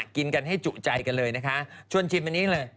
กินกันให้จุใจกันเลยนะคะชวนชิมอันนี้เลย